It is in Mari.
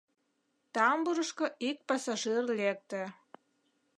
Тамбурышко ик пассажир лекте.